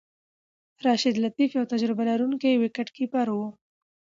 راشد لطيف یو تجربه لرونکی وکټ کیپر وو.